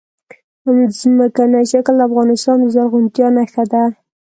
ځمکنی شکل د افغانستان د زرغونتیا نښه ده.